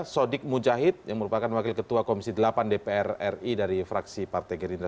sodik mujahid yang merupakan wakil ketua komisi delapan dpr ri dari fraksi partai gerindra